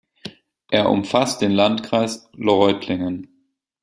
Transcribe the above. Er umfasst den Landkreis Reutlingen.